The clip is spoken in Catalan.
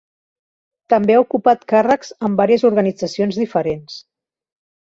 També ha ocupat càrrecs en vàries organitzacions diferents.